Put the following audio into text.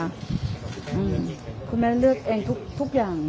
อืมคุณมาากแล้วเลือกเองทุกทุกทุกอย่าง